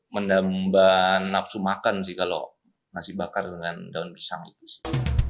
mendamba nafsu makan sih kalau nasi bakar dengan daun pisang itu sih